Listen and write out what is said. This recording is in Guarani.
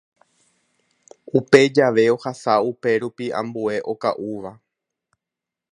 Upe jave ohasa upérupi ambue okaʼúva.